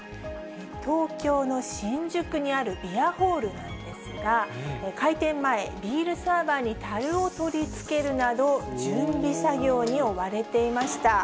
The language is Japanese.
東京の新宿にあるビアホールなんですが、開店前、ビールサーバーにたるを取り付けるなど、準備作業に追われていました。